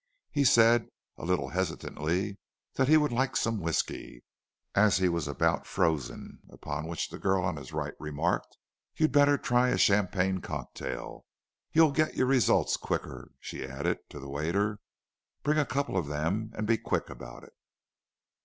He said, a little hesitatingly, that he would like some whisky, as he was about frozen, upon which the girl on his right, remarked, "You'd better try a champagne cocktail—you'll get your results quicker." She added, to the waiter, "Bring a couple of them, and be quick about it."